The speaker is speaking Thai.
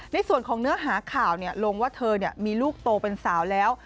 ในส่วนของเนื้อหาข่าวลงว่าเธอมีลูกโตเป็นสาวแล้ว